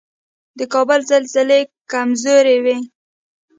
د کابل زلزلې کمزورې وي